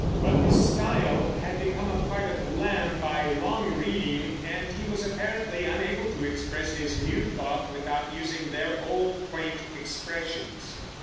But this style had become a part of Lamb by long reading, and he was apparently unable to express his new thought without using their old quaint expressions.